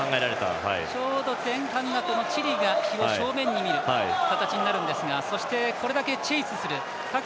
ちょうどチリが正面に見える形になるんですがそして、これだけチェイスする。